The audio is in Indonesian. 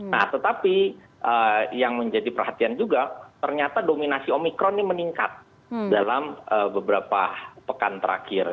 nah tetapi yang menjadi perhatian juga ternyata dominasi omikron ini meningkat dalam beberapa pekan terakhir